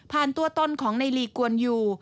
ผ่านตัวต้นของในลีกวันยู